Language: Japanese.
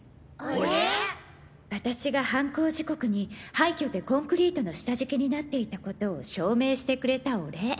私が犯行時刻に廃墟でコンクリートの下敷きになっていたことを証明してくれたお礼